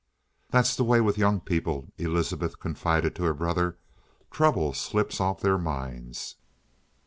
"That's the way with young people," Elizabeth confided to her brother. "Trouble slips off their minds."